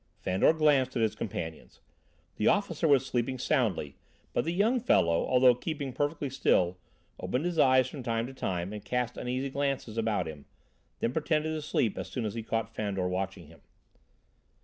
Fandor glanced at his companions. The officer was sleeping soundly, but the young fellow, although keeping perfectly still, opened his eyes from time to time and cast uneasy glances about him, then pretended to sleep as soon as he caught Fandor watching him.